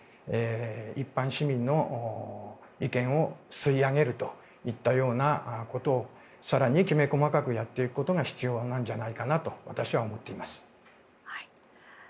一般市民の意見を吸い上げるといったようなこと更にきめ細かくやっていくことが必要なんじゃないかなと私は思っています。